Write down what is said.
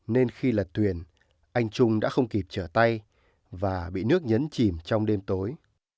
nên khi lật thuyền anh trung đã không kịp trở tay và bị nước nhấn chìm trong đêm tối